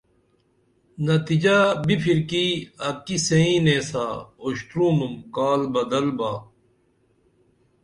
نتیجہ بِپھرکی اکی سئیں نیسا اُشترونُم کال بدل با